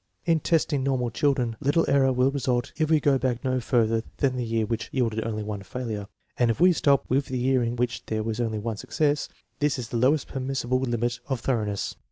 In testing normal children, little error will result if we go back no farther than the year which yielded only one failure, and if we stop with the year in which there was only one success. This is the lowest permis sible limit of thoroughness.